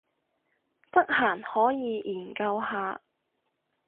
得閒可以研究下